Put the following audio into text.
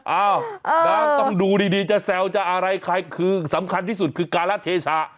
เอ้าเออต้องดูดีดีจะแซวจะอะไรใครคือสำคัญที่สุดคือการรัฐเชษฐา